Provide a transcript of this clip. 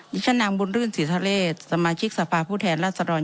นี่ฉันนางบุญรื่นศรีทะเลสมาชิกสภาพผู้แทนล่าสรรค์